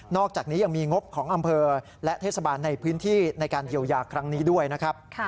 อกจากนี้ยังมีงบของอำเภอและเทศบาลในพื้นที่ในการเยียวยาครั้งนี้ด้วยนะครับ